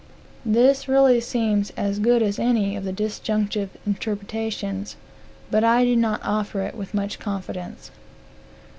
This really seems as good as any of the disjunctive interpretatios; but I do not offer it with much confidence."